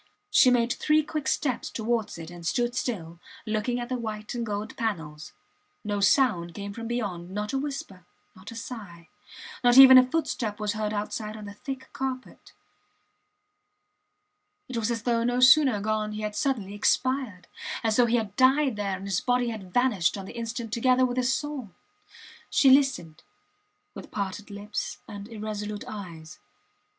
She made three quick steps towards it and stood still, looking at the white and gold panels. No sound came from beyond, not a whisper, not a sigh; not even a footstep was heard outside on the thick carpet. It was as though no sooner gone he had suddenly expired as though he had died there and his body had vanished on the instant together with his soul. She listened, with parted lips and irresolute eyes.